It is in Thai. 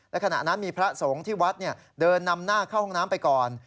และขณะนั้นมีพระสงฆ์ที่วัดเดินนำหน้าเข้าห้องน้ำไปก่อน